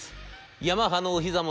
ヤマハのお膝元